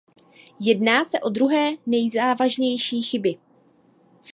Jedná se o druhé nejzávažnější chyby.